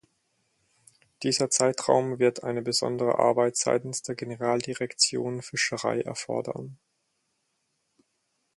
Dieser Zeitraum wird eine besondere Arbeit seitens der Generaldirektion Fischerei erfordern.